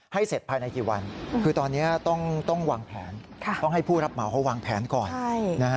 เสร็จภายในกี่วันคือตอนนี้ต้องวางแผนต้องให้ผู้รับเหมาเขาวางแผนก่อน